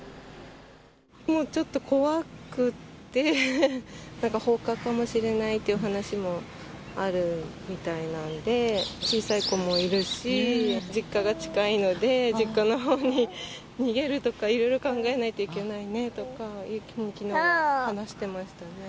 もうちょっと怖くって、放火かもしれないという話もあるみたいなんで、小さい子もいるし、実家が近いので、実家のほうに逃げるとか、いろいろ考えないといけないねとか、話してましたね。